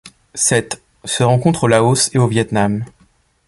Cette se rencontre au Laos et au Viêt Nam.